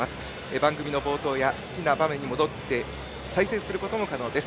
番組の冒頭や好きな場面に戻って再生することも可能です。